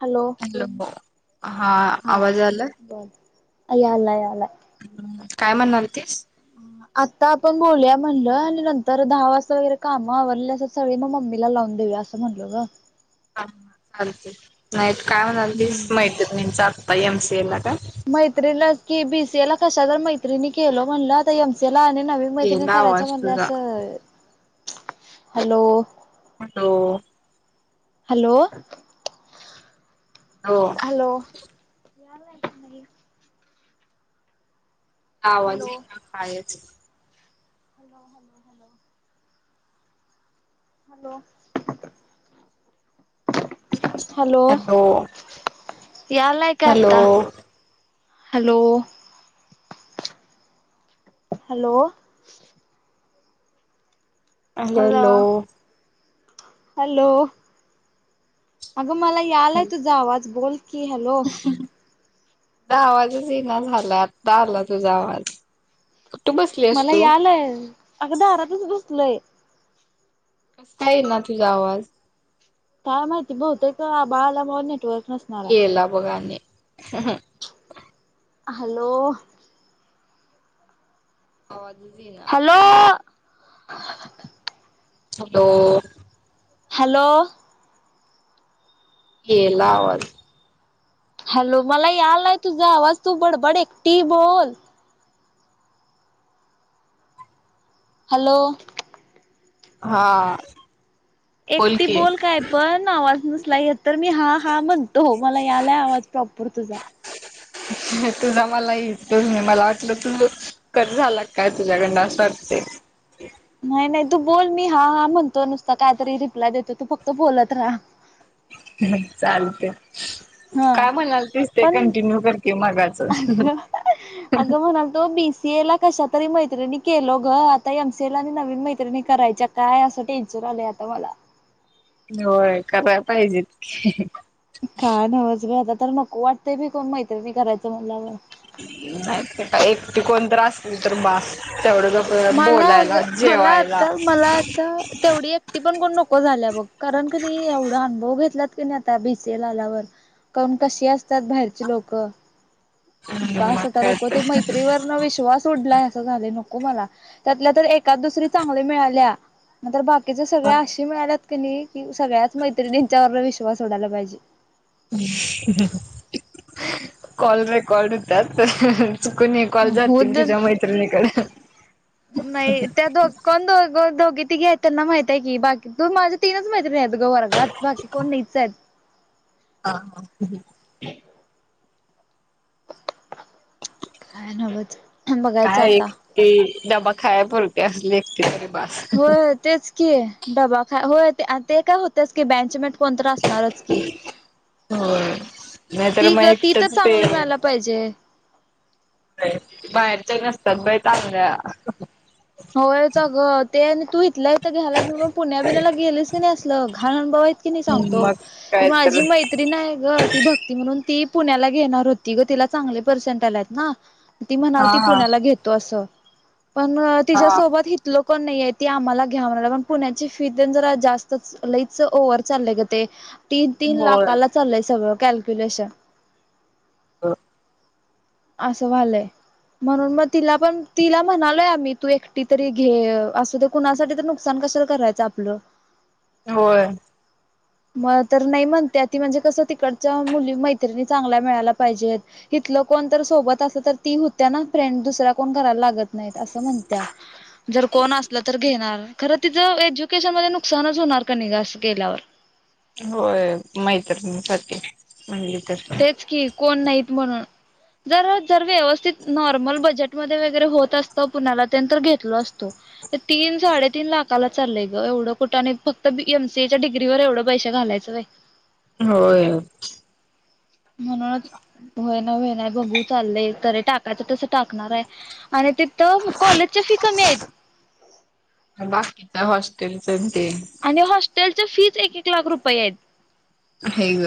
Hello. Hello हा हा, आवाज आलाय बोल. याला यालाय. हं. काय म्हणणार होतीस? आता आपण बोलूया म्हणलं. आणि नंतर दहा वाजता वगैरे काम आवरल्यासच सगळी. मग मम्मीला लावून देऊया, असं म्हणलो ग. हा चालते. नाही काय म्हणालतीस, हम्म मैत्रिणींच. आता एम सी ए ला का? मैत्रीणलच की, बी सी एला कशाला, मैत्रिणी केलो म्हणलं. आता एम सी एला आ नवी मैत्रिणी गेला करायच्या आवाज म्हणल तुझा असं. हॅलो. हॅलो. हॅलो. हो. हॅलो. यालाय का नाही? आवाज हॅलो इना कायच. Hello, hello, hello. Hello. [inaudible] Hello. यालाय का हॅलो आता? Hello. Hello. Hello, hello. Hello. अगं मला यालाय तुझा आवाज. बोल की. हॅलो. हॅलो. आवाजच ईना झाला. आता आला तुझा आवाज. कुठं बसलीस मला तू यालाय. अगं दारातच बसलय. कसा काय इना तुझा, आवाज? काय माहिती. बहुतेक अ आभाळ आल्यामुळ, नेटवर्क नस गेला बघ आणि. [unintelligible] हॅलो. आवाजच ईना. हॅलो. हॅलो. हॅलो. गेला आवाज. हॅलो. मला यालाय तुझा आवाज. तू बडबड, एकटी बोल. हॅलो. हा. एकटी बोल काय पण. आवाज नसला येत तर मी हा, हा म्हणतो. मला यालाय आवाज प्रॉपर तुझा. तूझा मला येतो. मला वाटलं तु कट झाला काय, तुझ्याकडंन? अस वाटतय. नाही, नाही. तू बोल. मी हा, हा म्हणतो नुसतं. काय तरी रिप्लाय देतो. तू फक्त बोलत राहा. हं, चालतय. हा काय म्हणालतीस ते पण कंटिन्यू कर की मगाचं अगं म्हणाल तो बीसी ए ला कश तरी मैत्रिणी केलो ग आता एमसीएल आणि नवीन मैत्रिणी करायच्या काय असं टेन्शन आलंय आता मला होय करायला पाहिजे की का नवज बे आता तर नको वाटत बी कोण मैत्रिणी करायचं म्हणल्यावर नाही का एकटी कोणत असली तरी बास तेवढं ज मला मला आता मला तर तेवढी एकटी पण कोण नको झाल्या बघ कारण क त एवढा अनुभव घेतलात. नाही आता बीसीएला आल्यावर कारण कशी असतात बाहेरचे लोकं बस मग आता काय नको ते तर मैत्रीवर पूण विश्वास उडलाय असं झाले नको मला त्यातल्या तर एकाच दुसरी चांगल्या मिळाल्या. मंतर बाकीचे सगळे अे मिळाल्यात क नाही कि सगळ्याच मैत्रिणींच्यावर विश्वास उडायला पाहिजे. कॉल रेकॉर्ड होतात. चुकन हे कॉल जातील तुझ्या मैत्रिणीकडे ह [unintelligible] नाही त्या दो कोण दोघ दोघे तिघे आहेत त्यांना माहित आहे की बाकी तू माझ्या तीनच मैत्रीणी आहेत ग वर्गात बाकी कोण नाहीच आहेत. हा हा ह. काय [unintelligible] काय आता एक ते डब्बा खाय पुरती असली एक ते होय तेच की डब्बा खा हो ते काय होतेच की बँचमेट असणारच की होय नाहीतर मग ती तर एकटच चांगली ते मिळा. पाहिजे. बाहेरच्याही नसतात बाई चांगल्या होय च गं ते आणि तू इथ इथं घ्यायलास पुण्या बिनाला गेलीस की नाही असलं घाण अनुभव आहेत बाबा की नाही सांगतो मग ती काय तर माझी मै नाही ग ती भक्ती म्हणून ती पुण्याला घेणार होती ग तिला चांगले पर्सेंट आलात ना. ती म्हणाल हा ती हा पुण्याला घेतो असं पण हा तिच्यासोबत हि. लोकण नाहीय ती आम्हाला घ्या म्हणा पण पुण्याची फिसच जरा जास्त लईच ओव्हर चालय ग ते. तीन तीन होय लाखाला चाललंय सगळं कॅल्क्युलेशन. हा अससं व्हायलय. म्हणून मग तिला पण तिला म्हणालोय आम्ही तू एकटी तरी घे अस. कुणासाठी तर नुकसान कसं करायचं आपलं. होय. मग तर नाही म्हणते ती म्हणजे कसं तिकडच्या मुली मैत्रिणी चांगल्या मिळायला पाहिजेत. इथ कोण तर सोबत असत तर ती होत्या ना फ्रेंड दुसऱ्या कोण करायला लागत. नाही असं म्हणत्या जर कोण असल तर घेणार. खरं तिचं एज्युकेशन मध्ये नुकसानच होणार का असं केल्यावर. होय मैत्रीसाठी म्हणजे तेच कि कोण नाहीत म्हणून जर जर व्यवस्थित नॉर्मल बजेटमध्ये वगैरे होत असतं पुण्याला त्यांत घेतल असतो. ते तीन साडेतीीन लाखाला चाललंय ग एवढं कुठाने फक्त बी एमसी एच्या डिग्री ववर एवढं पैसे घालायचंय. हो म्हणत. होय ना होय ना बघू चाललंय त टाकायचं तस टाकणार आहे आणि ते तर कॉलेजच्या फी कमी आहेत. बाकी तर हॉस्टेल समती. आणि हॉस्टेलच्या फीज एक एक लाख रुपये आहेत. हग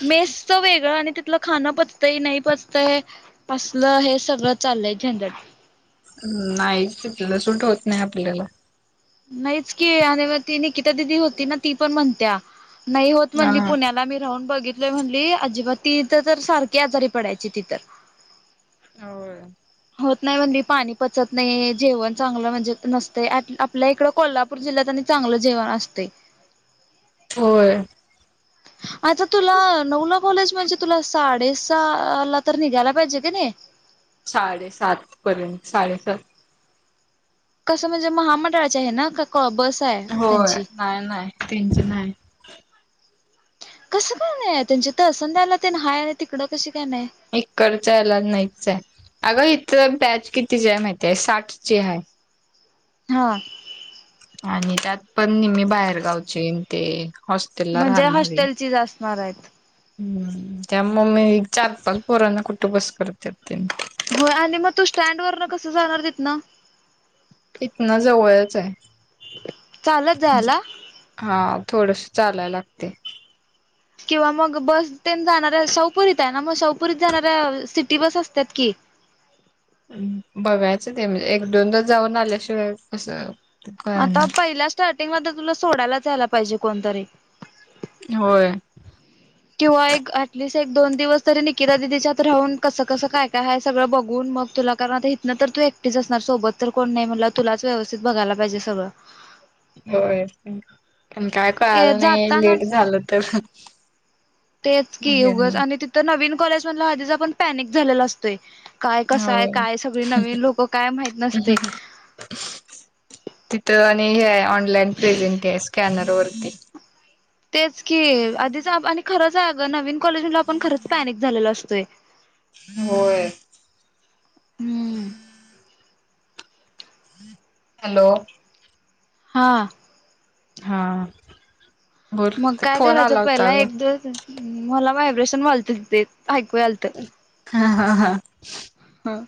मेसचं वेगळं आणि तिलं खांन पचतंय नाही पचतंय. असलं हे सगळं चालय झंझट. नाही तथलं सुट होत नाही आपल्याला. नाहीच की आणि मग ती निकिता दिदी होती ना ती पण म्हणत्या नाही होत म्हणली हा पुण्याला मी राहून बघित. त म्हणली अजिबात तीिथ तर सारखी आजारी पडायची तिथ. हो. होत नाही म्हणी पाणी पचत नाही जेवण चांगलं म्हणजे नसतं आपल्या इकडं कोला पूर जिल्ह्यात आणि चांगलं जेवण असते. होय. आता तुला नऊला कॉलेज म्हणजे तुला साडेस ला तर निघायला पाहिजे का नाही. साडेसात पर्यंत साडेसात कसं म्हणजे महामंडळाचे आहे ना का बस. आहे होय त्यांची नाही नाही त्यांची नाही. कसं का नाही त्यांची तर असं द्या आला ते ना हाय आणि तिकडं कशी काय नाही. इकडच आहेला नाहीच आहे अगं इथ बॅच कितीची आहे माहिती आहे साठची आहे. हा. आणि त्यात पण नेहमी बाहेर गावचे ते. हॉस्टेलला म्हणजे राहणारी हॉस्टेल च असणार आहेत.. हम्म त्या मम्मी चार पाच पोरांना कुटुं बस करत त्यां. होय आणि मग तू स्टँड वर न कसं जाणार तथ ना. तिथन जवळच आहे. चालत जायला. हा थोडस चालायला लागते. किंवा मग बस ते जाणाऱ्या शाहूपुरीत आहे ना मग शाहूपुरीत जाणाऱ्या सिटी बस असतात की बघायचं ते म्हणजे एक दोनदा जाऊन आल्याशिवाय कसं आता कळणार पहिल्या स्टार्टिंग म तुला सोडायलाच यायला पाहिजे कोणतरी होय. किंवा एक ऍटलिस्ट एक दोन दिवस तरी निकिता दिदीच्यात राहून कसं कसं काय काय आहेय सगळं बघून मग तुला कारण आता इथनं तर तू एकक्टी असणार सोबत तर कोण नाही म्हणला तला व्यस्थित बघयला पाहिजे सगळं. होय पण काय ए कळालं नाही लेट जातानाच झालं तर. तेच हे कीग आणि तिथं नवीन कॉलेज मधलं आधीच आपण पॅनिक झालेला असतोय. काय कसं आहे होय काय सगळी नवीन लोक काय माहित नसते. तिथं आणि हे आहे ऑनलाइन प्रेझेंट स्कॅनर वरती. तेच की आधीच आणि खरंच अ नवीन कॉलेजला आपण खरच पॅनिक झालेला असतोय. होय हम्म. हॅलो. हां. हा. बोल मग ते काय फोन करायचं आला होता पहिला ग. एक दि मला व्हायब्रेशन वालतच ते ऐकू आलत. हा हा हा. हम.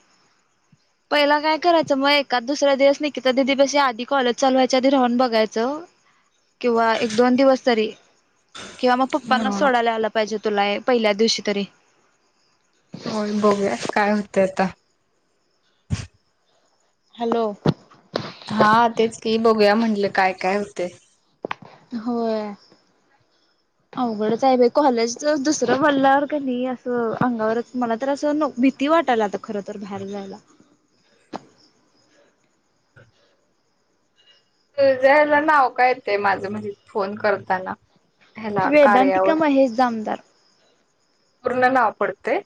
पहिला काय करायचं मग एकाद दुसरा्या दिवस निकिता तर दिदी बशी आधी कॉलेज चालवायच्या आधी राहून बघायचं किंवा एक दोन दिवस तरी किंवा मग पप्पना हा सोडायला आला पाहिजे तुला पहिल्या दिवशी तरी होय बघूया काय होत आता. हॅलो. हा तेच की बघूया म्हटले काय काय होते. होय. अवघडच आहे बा कॉलेज दुसरं बोलल्यावर का नाही असं अंगावरच मला तर असं नक भीती वाटायला आता खर तर बाहेर जायला तज ह्याला नाव काय येत माझं म्हणजे फोन करताना ह्याला वेदांतिका कार्यावर महेश दामदार पूर्णन आपडते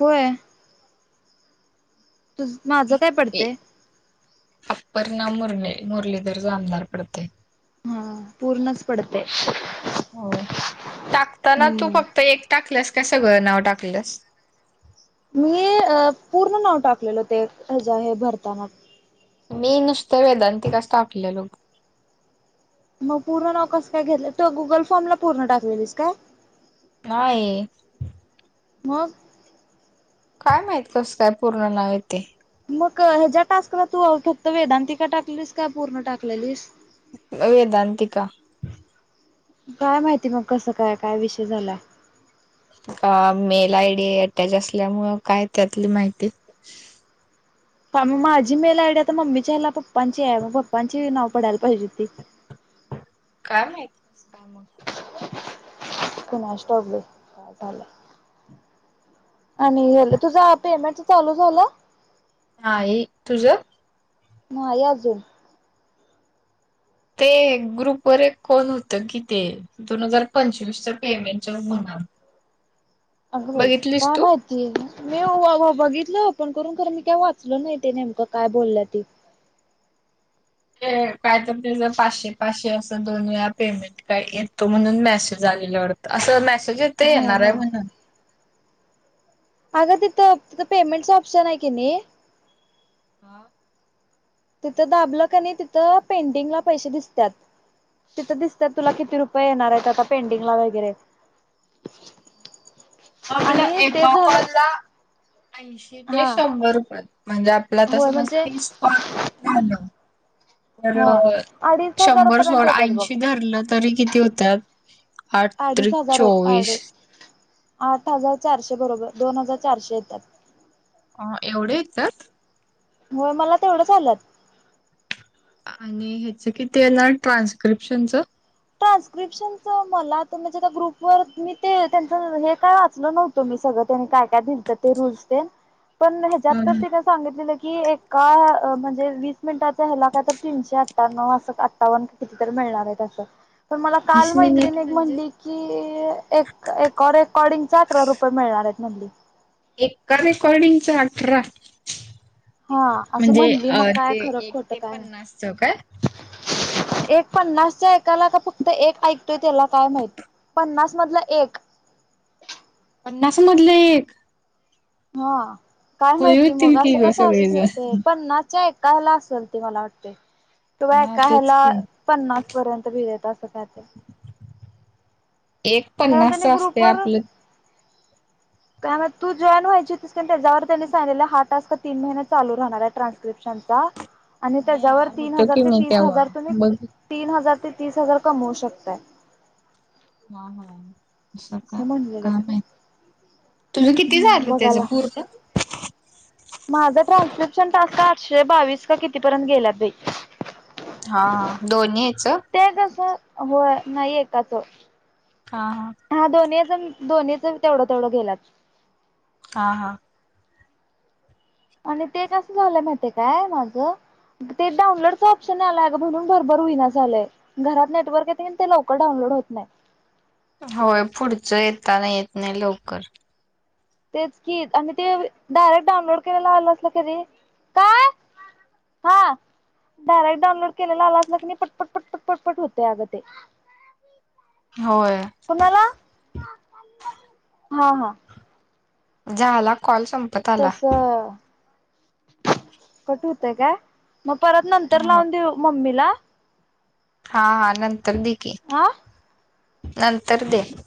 होय तु माझं काय पडतंय अप्पर ना मुरली मुरलीधर जा आमदार पडते हा पूर्णच पडते हो टाकताना तू हम्म. फक्त एक टाकलंस काय सगळं नाव टाकलंस मी पूर्ण नाव टाकलेल होते ह ज हे भरतानाट मी नुसत वेदांती कस टाकलेल लोक मग पूर्ण नाव कसं काय घेतलं तर गुगल फॉर्मला पूर्ण टाकवेलीस का हाय मग काय माहित कसं काय पूर्ण नाव ये तेे मग ह्याच्या्या टास्कला तू फक्त वेदांतिका टाकलीस का पूर्ण टाकलेलीस वेदांतिका काय माहिती मग कसं काय काय विषय झाला अ मेल आय डी अटॅच असल्या मुळे काय त्यातली माहिती ग माझी मेल आयडी आता मम्मीच्या हेला पप्पांची आहे मग पप्पांची नाव पडायला पाहिजे ती काय माहित कस काय मग कोनाश ठाऊक काय झालं आणि हेल तुझं पेमेंट चालू झालं हा तुझ नाही अजून ते ग्रुप वर कोण होतं कि ते दोन हजार पंचवीसच्या पेमेंट म्हणा अगरे बघितलीस काय तू माहत मी बघितलं आपण करून खरं मी काय वाचल नाही ते नेमकं काय बोललं ते काय तर तझ पाचशे पाचशे असं दोन वेळा पेमेंट काय येतो म्हणून मेसेज आलेला वाटतं असं मेसेज येत हा येणार आहे हा म्हणून अगं तिथं तिथं पेमेंटचं ऑप्शन आहे की नाही हा तिथं दाबल क आणि तिथं पेंटिंगला पैसे दिसतात तिथं दिसतात तुला किती रुपये येणार आहेत आता पेंडिंग ला वगैरे [inaudible] आप आपला आणि एक ते प झालं कॉलला ऐंशी ते हा शंभर पर्यंत म्हणजे आपला तर होय म्हणजे समजतीस झा तर हा अडीच शंभर हजारापर्यंत सोळा येतात बघ ऐंशी धरलं तरी किती होत्या आठ त्र अडीच हजार आहेत चोवीस अडी आठ हजार चारशे बरोबर दोन हजार चारशे येतात अ एवढे आहेतात मु मला तेवढं चालंत आणि ह्याच किती येणार ट्रान्स्क्रिप्शनचं ट्रान्स्क्रिप्शनच मला त त्या ग्रुप वर मी ते त्यांचं हे काय वाचलं नव्हत तुम्ही सगळं त्यांनी काय काय दित ते रूल्सन पण ह्याच्यात तर सांगितलं की एका म्हणजे वीस मिनिटाचा हला काय तर तीनशे अठ्ठ्या्व असं अठ्ठावन मिळणार पण मला वीस काल मैत मिनिट म्हणजे म्ह कि एकर एकॉर्डिंग चार अरा रुपये मिळणार आहेत मधली एका रेकॉर्डिंगचा अठरा. हा असं म्हणजे म्हणली अ मग काय ते खरं एक खोटं ते काय नाही पन्नासच काय? [unintelligible] एक पन्नासच्या ऐकायला का फक्त एक ऐकतोय त्याला काय माहित पन्नास मधलं एक पन्नासा मधलं एक हा काय खुळी माहिती होतील मग की असं ग कसं असू सगळेजण शकते पण्नाचा एक कायला असेल ते मला वाटते. तुव्हा हा एका तेच ह्याला की पन्नास पर्यंत भि देत असं कात एक कारण पन्नास असते आपलं. ह. काय मग तू जॉईन व्हायची तस त्याच्यावर त्यांनी सांगलेला हा टास्क तीन महिने चालू राहणार आहे ट्रान्स्क्रिप्शनचा आणि नाही त्याच्यावर तीन होत हजार की ते नाही तीस तेव्हा हजार तुम्. बघ तीन हजार ते तीस हजार कमवऊ शकतय. हा हा अस का असं म्हणलेलं काम आहे. तुझं किती हम्म झालं त्याच पूरत माझा ट्रान्स्क्रिप्शन टास्का आठशे बावीस का कितीपर्यंत गेलात भाई हा दोन्हीच ते कसं हो नाहीयकाचं. हा हा. हा दोनच दोनहीच तेवढं तेवढं गेलात. हां हां. आणि ते कसं झालंय माहिित काय माझं. ते डाऊनलोडचं ऑप्शन आलाय ग भरून भरभर होईना झालंय. घरात नेटवर्क येत की ते लवकर डऊनलोड होत नाही. होय पुढचं येताना येत नाही लवकर तेच कीत आणि ते डायरेक्ट डाउऊनलोड करायला आलं असल करी काय? हा. डायरेक्ट डाऊनलोड केलेला आला अस ना की नाही पटपट पटपट पटपट होते अगं ते होय. कोुणाला हा हा. झाला. कॉल संपत आला. तस कट होतय काय? मग परत नंतर लावून देऊ मम्मीला हा हा नंतर दे की हा नंतर दे.